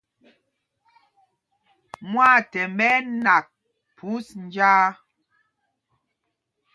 Mwâthɛmb ɛ́ ɛ́ nak phūs njāā.